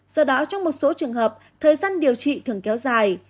do đó trong một số trường hợp thời gian điều trị thường kéo dài